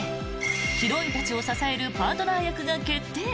ヒロインたちを支えるパートナー役が決定。